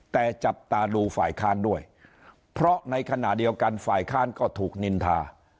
แต่จับตาดูฝ่ายค้านด้วยเพราะในขณะเดียวกันฝ่ายค้านก็ถูกนินทา